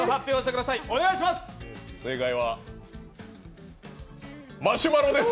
正解はマシュマロです！